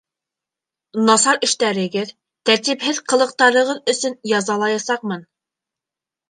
Насар эштәрегеҙ, тәртипһеҙ ҡылыҡтарығыҙ өсөн язалаясаҡмын!